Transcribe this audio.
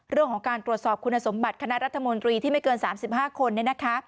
เรื่องของการตรวจสอบคุณสมบัติคณะรัฐมนตรีที่ไม่เกิน๓๕คนเนี่ยนะคะ